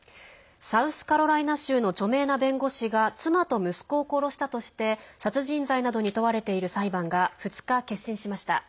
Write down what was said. サウスカロライナ州の著名な弁護士が妻と息子を殺したとして殺人罪などに問われている裁判が２日、結審しました。